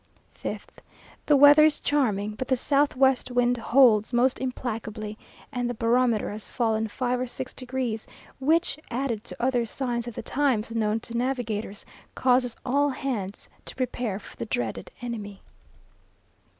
5th. The weather is charming, but the south west wind holds most implacably, and the barometer has fallen five or six degrees, which, added to other signs of the times known to navigators, causes all hands to prepare for the dreaded enemy.